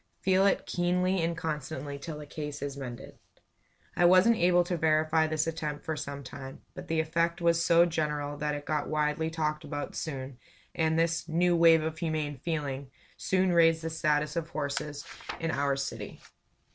Feel it keenly and constantly till the case is mended." I wasn't able to verify this attempt for some time; but the effect was so general that it got widely talked about soon; and this "new wave of humane feeling" soon raised the status of horses in our city.